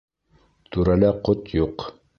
Түрәлә ҡот юҡ.